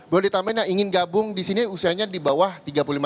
boleh ditamena ingin gabung di sini usianya di bawah tiga puluh lima tahun